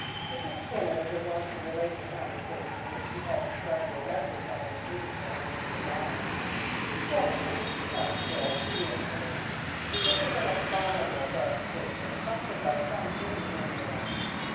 Mrs. Skinner goes on to relate the conversation which she had described to Alexis on his visit to Lancaster Lodge. " Gentlemen," cries Joel, vehemently, " this is an abominable fabrication, prompted by some hidden influence.